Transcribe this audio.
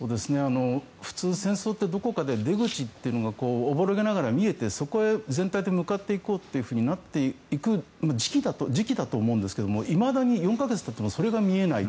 普通、戦争ってどこかで出口がおぼろげながら見えてそこへ全体で向かっていくとなっていく時期だと思うんですがいまだに４か月たってもそれが見えない。